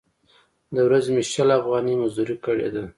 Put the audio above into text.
د ورځې مې شل افغانۍ مزدورۍ کړې ده.